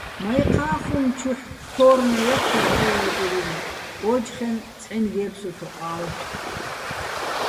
მაჲჴა́ ხუმ ჩუჰ̦, თო́რნე ჲათთორ ყო́ველ კვირინე, ო́ჯხენ ცჰ̦აჲნი̆ გე́ფსუ თოყა́ლ.